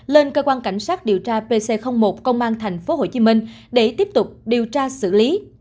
lên cơ quan cảnh sát điều tra pc một công an tp hcm để tiếp tục điều tra xử lý